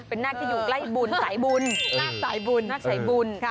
เป็นนาที่อยู่ใกล้ฝีบุลใสบุล